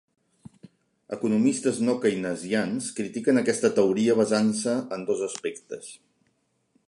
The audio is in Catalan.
Economistes no keynesians critiquen aquesta teoria basant-se en dos aspectes.